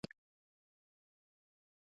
پر مخ لاړ شئ او ويې کړئ.